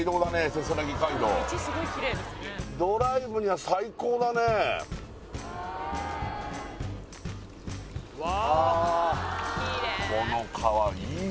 せせらぎ街道ドライブには最高だねうわ